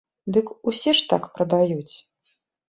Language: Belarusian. Дык усе ж так прадаюць.